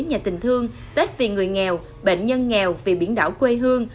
nhà tình thương tết vì người nghèo bệnh nhân nghèo vì biển đảo quê hương